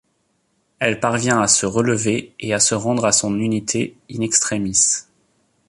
Elle parvient à se relever et à se rendre à son unité, in extremis.